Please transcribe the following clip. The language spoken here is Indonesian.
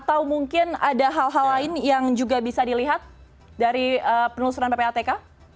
atau mungkin ada hal hal lain yang juga bisa dilihat dari penelusuran ppatk